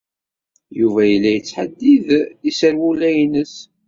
Yuba yella yettḥeddid iserwula-ines.